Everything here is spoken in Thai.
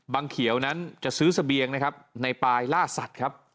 เขียวนั้นจะซื้อเสบียงนะครับในปลายล่าสัตว์ครับ